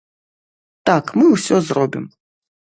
Так, мы ўсё зробім.